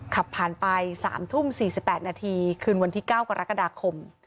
ขับผ่านไปสามทุ่มสี่สิบแปดนาทีคืนวันที่เก้ากรกฎาคม